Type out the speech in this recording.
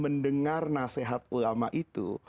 mendengar nasihat ulama itu